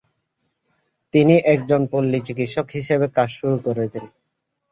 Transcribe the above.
তিনি একজন পল্লী চিকিৎসক হিসেবে কাজ শুরু করেন।